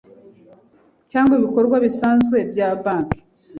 cy ibikorwa bisanzwe bya banki